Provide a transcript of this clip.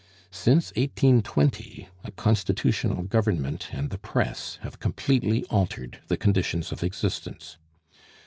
Since 1820 a constitutional government and the press have completely altered the conditions of existence.